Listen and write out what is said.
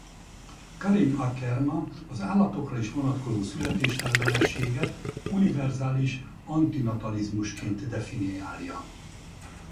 Karim Akerma az állatokra is vonatkozó születésellenességet univerzális antinatalizmusként definiálja.